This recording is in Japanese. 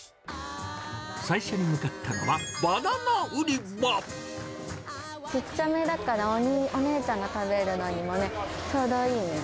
最初に向かったのは、バナナ売りちっちゃめだからお姉ちゃんが食べるのにもね、ちょうどいいね。